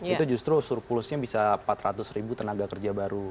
itu justru surplusnya bisa empat ratus ribu tenaga kerja baru